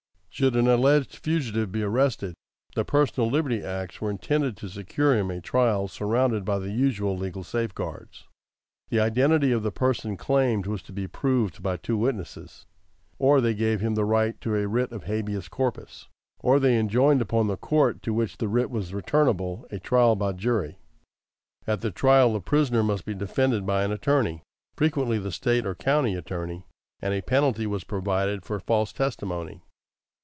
Should an alleged fugitive be arrested, the personal liberty acts were intended to secure him a trial surrounded by the usual legal safeguards. The identity of the person claimed was to be proved by two witnesses; or they gave him the right to a writ of habeas corpus; or they enjoined upon the court to which the writ was returnable a trial by jury. At the trial the prisoner must be defended by an attorney, frequently the State or county attorney, and a penalty was provided for false testimony.